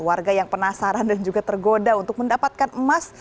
warga yang penasaran dan juga tergoda untuk mendapatkan emas